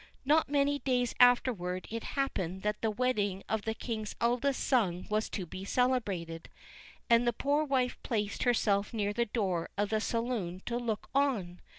Not many days afterward it happened that the wedding of the king's eldest son was to be celebrated, and the poor wife placed herself near the door of the saloon to look on.